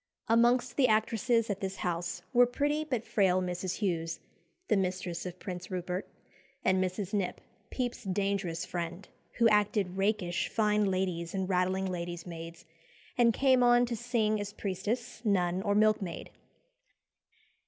Amongst the actresses at this house were pretty but frail Mrs. Hughes, the mistress of Prince Rupert, and Mrs. Knipp, Pepys's dangerous friend, who acted rakish fine ladies and rattling ladies' maids, and came on to sing as priestess, nun, or milkmaid.